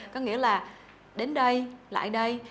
có nghĩa là đến đây lại đây